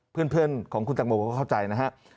เพื่อนของคุณตังโมก็เข้าใจนะฮะ